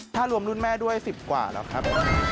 ถ้ารวมรุ่นแม่ด้วย๑๐กว่าแล้วครับ